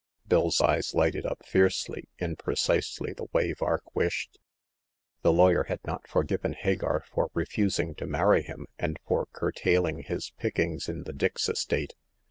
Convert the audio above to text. Bill's eyes lighted up fiercely, in precisely the way Vark wished. The lawyer had not forgiven Hagar for refusing to marry him, and for curtail ing his pickings in the Dix estate.